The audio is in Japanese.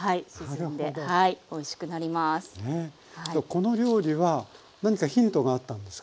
この料理は何かヒントがあったんですか？